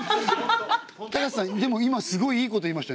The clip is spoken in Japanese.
高瀬さんでも今すごいいいこと言いましたね。